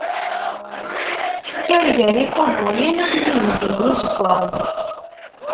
Tekker gar ikubuyen d Yihendiyen Izeggaɣen.